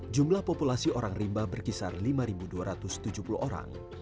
jumlah populasi orang rimba berkisar lima dua ratus tujuh puluh orang